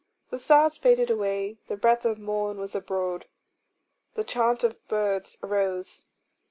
The stars faded away, the breath of morn was abroad, the chant of birds arose.